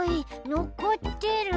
のこってる！